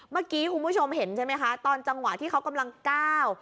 เมื่อกี้คุณผู้ชมเห็นใช่ไหมคะตอนจังหวะที่เขากำลังก้าว